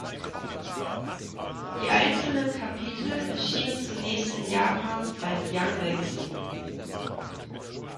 Die einzelnen Kapitel erschienen zunächst in Japan beim Young Magazine.